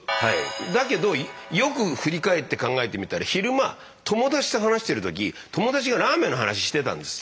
だけどよく振り返って考えてみたら昼間友達と話してる時友達がラーメンの話してたんです。